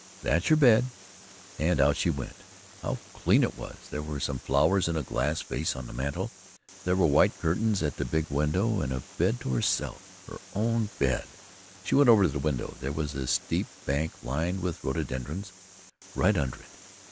That's your bed," and out she went. How clean it was! There were some flowers in a glass vase on the mantel. There were white curtains at the big window and a bed to herself her own bed. She went over to the window. There was a steep bank, lined with rhododendrons, right under it.